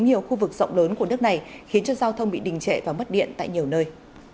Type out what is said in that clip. nhiều khu vực rộng lớn của nước này khiến cho giao thông bị đình trệ và mất điện tại nhiều nơi